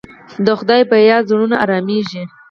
د خدای په یاد زړونه ارامېږي.